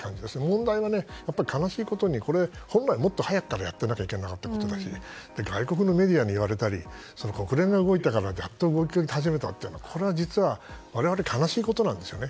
問題は悲しいことに本来もっと早くからやらなきゃいけなかったことだし外国のメディアに言われたり国連が動いたからやっと動き始めたというのは悲しいことなんですよね。